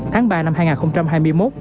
tháng ba năm hai nghìn hai mươi một